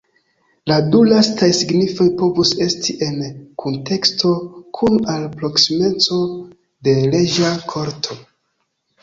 La du lastaj signifoj povus esti en kunteksto kun al proksimeco de reĝa korto.